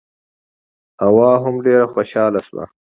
حوا هم ډېره خوشاله شوه.